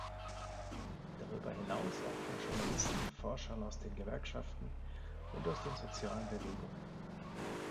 Darüber hinaus auch von Journalisten, Forschern aus den Gewerkschaften und aus den Sozialen Bewegungen.